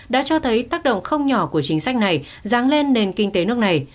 đã cho thấy tác động không nhỏ của chính sách này ráng lên nền kinh tế nước này